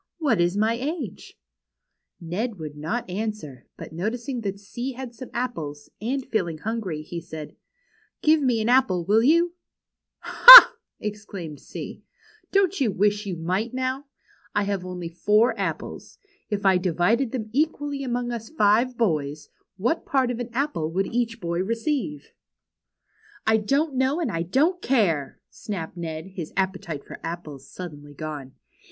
What is my age ?" Ned would not answer, but noticing that C had some apples, and feeling hungry, he said :" Give me an apple, Avill you ?"" Ha !" exclaimed C, don't you wish you might, now ? I have only four ajoples. If I divided them equally among us five boys, what part of an apple would each boy receive ?'' ''I don't know and I don't care," snapped Ned, his appetite for apples suddenly gone.